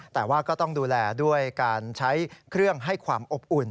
แต่ว่าก็ต้องดูแลด้วยการใช้เครื่องให้ความอบอุ่น